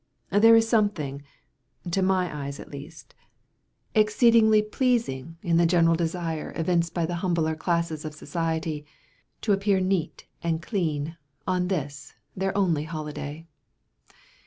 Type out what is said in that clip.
There is something, to my eyes at least, exceedingly pleasing in the general desire evinced by the humbler classes of society, to appear neat and clean on this their only holiday.